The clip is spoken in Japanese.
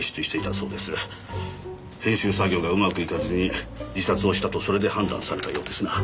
編集作業がうまくいかずに自殺をしたとそれで判断されたようですな。